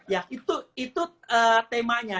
ya itu temanya